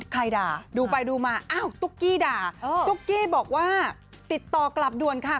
ด่าดูไปดูมาอ้าวตุ๊กกี้ด่าตุ๊กกี้บอกว่าติดต่อกลับด่วนค่ะ